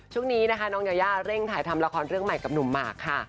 ช่วงนี้นะคะน้องยายาเร่งถ่ายทำละครเรื่องใหม่กับหนุ่มหมากค่ะ